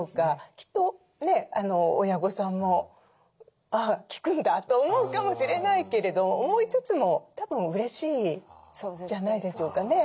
きっとね親御さんも「あ聞くんだ」と思うかもしれないけれど思いつつもたぶんうれしいじゃないでしょうかね。